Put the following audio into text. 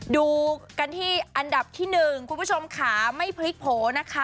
ดูกันที่อันดับที่๑คุณผู้ชมขาไม่พลิกโผล่นะคะ